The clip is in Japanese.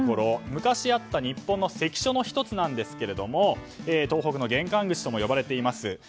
昔あった日本の関所の１つなんですが東北の玄関口とも呼ばれています。